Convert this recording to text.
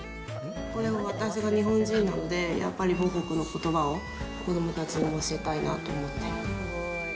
これ、私が日本人なので、やっぱり母国のことばを子どもたちにも教えたいなと思って。